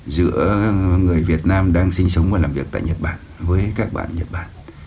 giữa người việt nam đang sinh sống và làm việc tại nhật bản với các bạn nhật bản